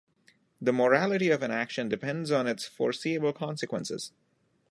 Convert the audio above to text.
The morality of an action depends on its foreseeable consequences.